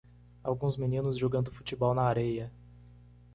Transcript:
Alguns meninos jogando futebol na areia